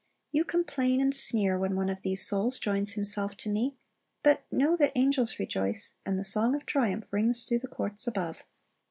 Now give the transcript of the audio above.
You complain and sneer when one of these souls joins himself to Me; but know that angels rejoice, and the song of triumph rings through the courts above.